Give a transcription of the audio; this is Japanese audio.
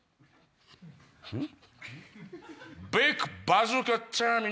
うん？